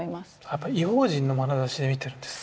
やっぱり異邦人のまなざしで見てるんですね。